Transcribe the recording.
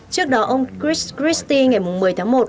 trước đó ông chris christie ngày một mươi tháng một